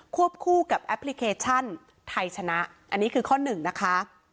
วบคู่กับแอปพลิเคชันไทยชนะอันนี้คือข้อหนึ่งนะคะ